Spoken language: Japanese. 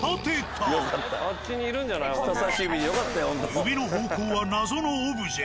指の方向は謎のオブジェ。